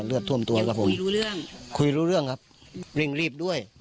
ท่วมตัวครับผมไม่รู้เรื่องคุยรู้เรื่องครับเร่งรีบด้วย